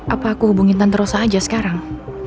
apa aku hubungin tante rosa aja sekarang